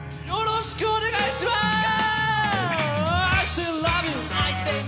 よろしくお願いします！